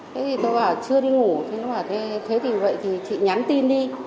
thế thì tôi bảo chưa đi ngủ thế thì vậy thì chị nhắn tin đi